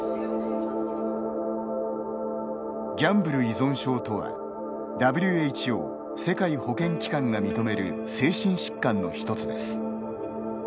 ギャンブル依存症とはＷＨＯ＝世界保健機関が認める精神疾患の一つです。